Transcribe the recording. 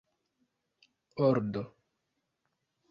ordo